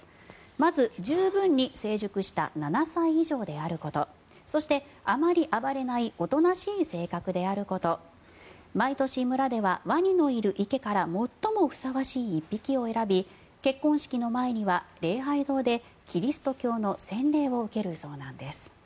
まず十分に成熟した７歳以上であることそして、あまり暴れないおとなしい性格であること毎年村ではワニのいる池から最もふさわしい１匹を選び結婚式の前には礼拝堂でキリスト教の洗礼を受けるそうなんです。